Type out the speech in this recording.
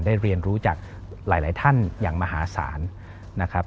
เรียนรู้จากหลายท่านอย่างมหาศาลนะครับ